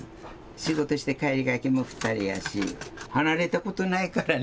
仕事して帰りがけも２人やし、離れたことないからね。